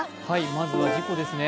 まずは事故ですね。